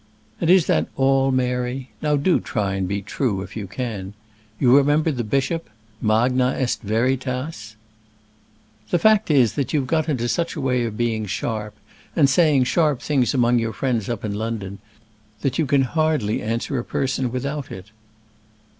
"And is that all, Mary? Now do try and be true, if you can. You remember the bishop? Magna est veritas." "The fact is you've got into such a way of being sharp, and saying sharp things among your friends up in London, that you can hardly answer a person without it."